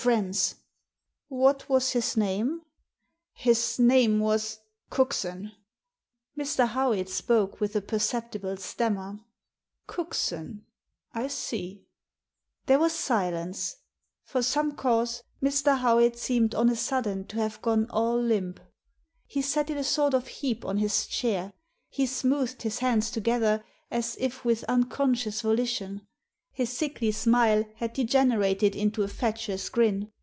"A friend's." "What was his name?" "His name was — Cookson." Mr. Howitt spoke with a perceptible stammer. Cookson? I see." There was silence. For some cause, Mr. Howitt seemed on a sudden to have gone all limp. He sat in a sort of heap on his chair. He smoothed his hands together, as if with unconscious volition. His sickly smile had degenerated into a fatuous grin.